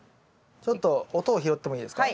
ちょっと音を拾ってもいいですか？